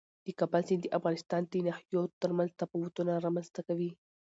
د کابل سیند د افغانستان د ناحیو ترمنځ تفاوتونه رامنځته کوي.